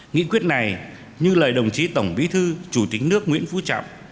nghị quyết này như lời đồng chí tổng bí thư chủ tịch nước nguyễn phú trọng